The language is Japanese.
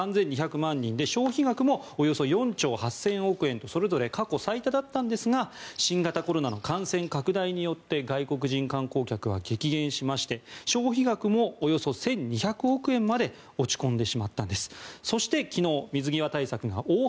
３２００万人で消費額もおよそ４兆８０００億円とそれぞれ過去最多だったんですが新型コロナの感染拡大によって外国人観光客は激減しまして消費額もおよそ１２００億まで落ち込んでしまったんです。